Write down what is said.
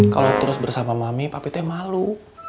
kalau terus bersama mami papi tuh malu